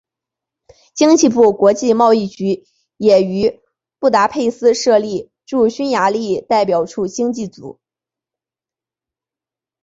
经济部国际贸易局也于布达佩斯设立驻匈牙利代表处经济组。